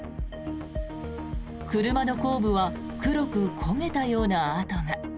車の後部は黒く焦げたような跡が。